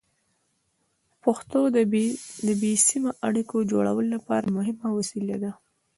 پښتو د بې سیمه اړیکو جوړولو لپاره مهمه وسیله ده.